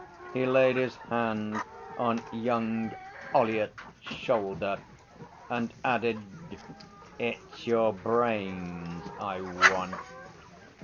He laid his hand on young Ollyett's shoulder and added: 'It's your brains I want.'